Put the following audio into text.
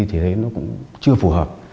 thì thấy nó cũng chưa phù hợp